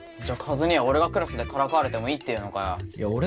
じゃあ和兄は俺がクラスでからかわれてもいいって言うのかよ？